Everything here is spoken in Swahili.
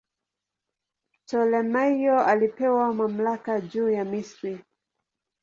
Ptolemaio alipewa mamlaka juu ya Misri.